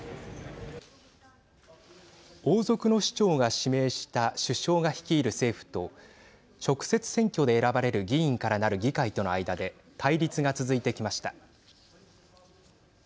王族の首長が指名した首相が率いる政府と直接選挙で選ばれる議員からなる議会との間で対立が続いてきました。